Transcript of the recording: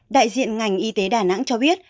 đại diện ngành y tế đà nẵng cho biết